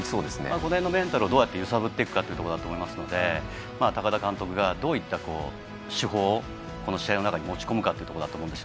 この辺のメンタルをどうやって揺さぶるかというところだと思いますので高田監督がどういった手法をこの試合の中に持ち込むかだと思います。